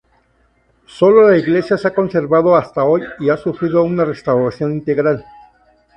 Sólo la iglesia se ha conservado hasta hoy y ha sufrido una restauración integral.